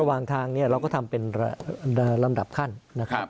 ระหว่างทางเนี่ยเราก็ทำเป็นลำดับขั้นนะครับ